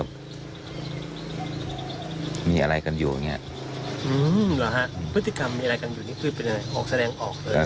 พฤติกรรมมีอะไรอยู่ข้างนี้คือเป็นอย่างไรแกแสดงออกเลย